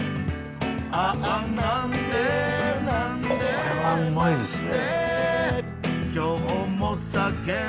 これはうまいですね。